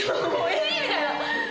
えぇ！みたいな。